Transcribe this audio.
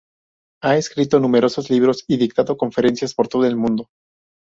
Ha escrito numerosos libros y dictado conferencias por todo el mundo.